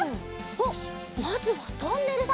おっまずはトンネルだ。